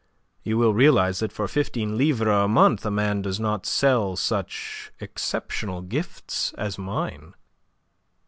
You will realize that for fifteen livres a month a man does not sell such exceptional gifts as mine.